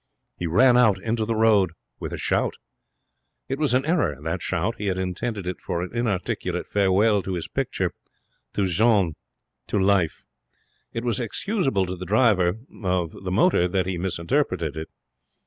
He ran out into the road with a shout. It was an error, that shout. He had intended it for an inarticulate farewell to his picture, to Jeanne, to life. It was excusable to the driver of the motor that he misinterpreted it.